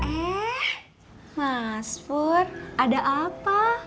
eh mas fur ada apa